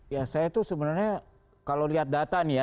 ya saya tuh sebenarnya kalau lihat data nih ya